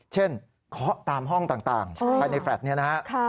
เช่นเคาะตามห้องต่างไปในแฟลต์นี่นะครับ